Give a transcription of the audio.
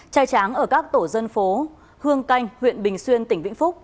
trai tráng ở các tổ dân phố hương canh huyện bình xuyên tỉnh vĩnh phúc